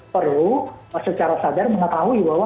perlu secara sadar mengetahui bahwa